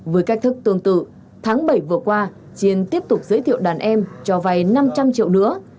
với cách thức tương tự tháng bảy vừa qua chiên tiếp tục giới thiệu đàn em cho vay năm trăm linh triệu nữa